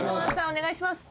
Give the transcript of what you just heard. お願いします。